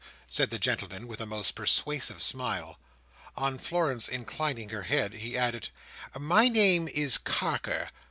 said the gentleman, with a most persuasive smile. On Florence inclining her head, he added, "My name is Carker.